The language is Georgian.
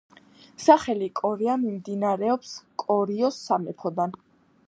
სახელი კორეა მომდინარეობს კორიოს სამეფოდან.